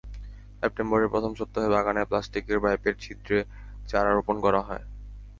সেপ্টেম্বরের প্রথম সপ্তাহে বাগানের প্লাস্টিকের পাইপের ছিদ্রে চারা রোপণ করা হয়।